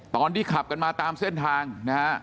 ตอนที่ขับกันมาตามเส้นทางนะฮะ